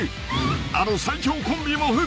［あの最強コンビも復活］